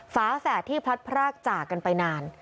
ฝาแฝดที่พลัดพรากจากกันไปนาน